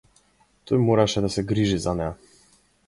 Тој мораше да се грижи за неа.